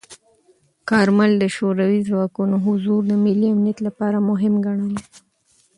کارمل د شوروي ځواکونو حضور د ملي امنیت لپاره مهم ګڼلی.